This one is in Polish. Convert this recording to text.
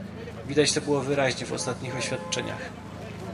Widać to było wyraźnie w ostatnich oświadczeniach